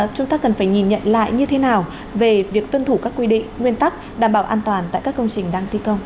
chúng ta cần phải nhìn nhận lại như thế nào về việc tuân thủ các quy định nguyên tắc đảm bảo an toàn tại các công trình đang thi công